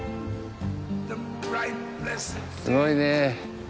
すごいね。